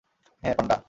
হ্যাঁ, পান্ডা!